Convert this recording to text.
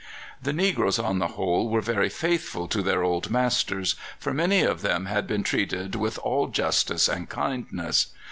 The negroes on the whole were very faithful to their old masters, for many of them had been treated with all justice and kindness.